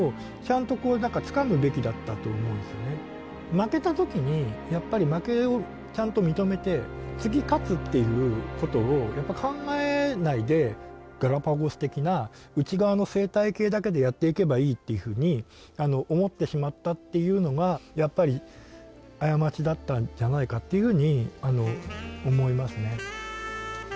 負けた時にやっぱり負けをちゃんと認めて次勝つっていうことをやっぱ考えないでガラパゴス的な内側の生態系だけでやっていけばいいっていうふうに思ってしまったっていうのがやっぱり過ちだったんじゃないかっていうふうに思いますね。